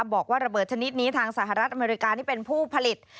บอกว่าระเบิดชนิดนี้ทางสหรัฐอเมริกานี่เป็นผู้ผลิต